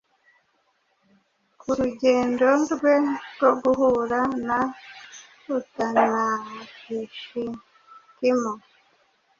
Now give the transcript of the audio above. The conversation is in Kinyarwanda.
kurugendo rwe rwo guhura na Utanapishitimo